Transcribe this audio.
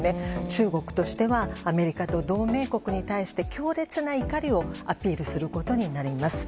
中国としてはアメリカと同盟国に対して強烈な怒りをアピールすることになります。